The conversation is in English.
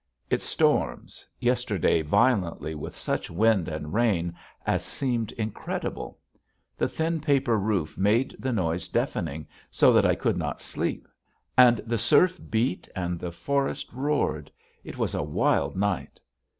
It storms, yesterday violently with such wind and rain as seemed incredible. The thin paper roof made the noise deafening so that I could not sleep; and the surf beat and the forest roared; it was a wild night.